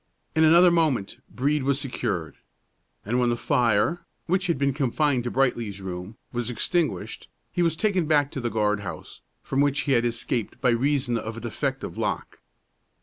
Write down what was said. In another moment Brede was secured; and when the fire, which had been confined to Brightly's room, was extinguished, he was taken back to the guard house, from which he had escaped by reason of a defective lock.